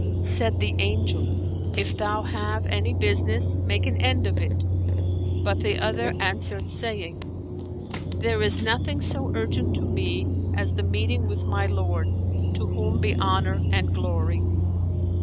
Said the Angel, "If thou have any business, make an end of it;" but the other answered, saying, "There is nothing so urgent to me as the meeting with my Lord, to whom be honour and glory!"